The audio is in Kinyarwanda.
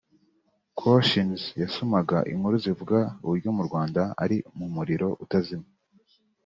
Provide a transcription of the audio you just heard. Konshens yasomaga inkuru zivuga uburyo mu Rwanda ‘ari mu muriro utazima’